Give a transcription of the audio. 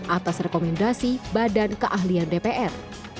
atas rekomendasi badan keahlian dpr